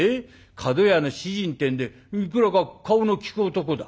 角屋の主人ってんでいくらか顔の利く男だ。